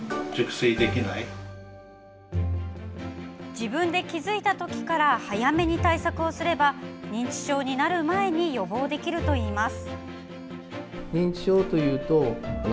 自分で気付いたときから早めに対策をすれば認知症になる前に予防できるといいます。